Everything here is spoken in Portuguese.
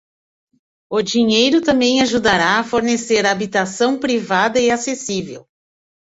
O dinheiro também ajudará a fornecer habitação privada e acessível.